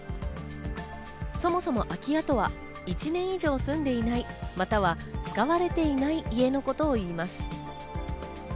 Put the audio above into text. そもそも空き家とは１年以上住んでいない、または使われていない家のことをいいます。